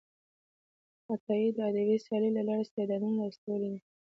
عطایي د ادبي سیالۍ له لارې استعدادونه راویستلي دي.